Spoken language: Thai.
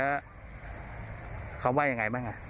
แล้วคำว่ายังไงบ้าง